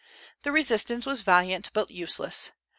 The resistance was valiant but useless.